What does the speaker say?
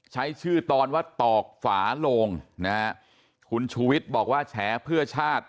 ใช้ชื่อตอนว่าตอกฝาโลงนะฮะคุณชูวิทย์บอกว่าแฉเพื่อชาติ